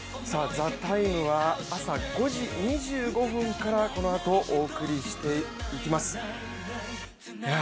「ＴＨＥＴＩＭＥ，」は朝５時２５分からこのあとお送りしていきます。